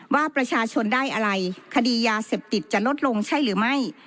ว่าประชาชนได้อะไรคดียาเสพติดจะลดลงใช่หรือไม่